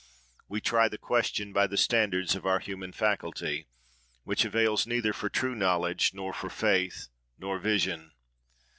We try the question by the standard of our human faculty, which avails neither for true knowledge, nor for faith, nor vision.